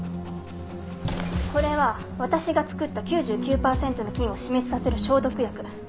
これは私が作った９９パーセントの菌を死滅させる消毒薬